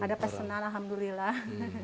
ada pesenan alhamdulillah